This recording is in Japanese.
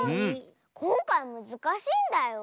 こんかいむずかしいんだよ。